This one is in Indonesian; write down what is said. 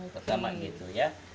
pertama gitu ya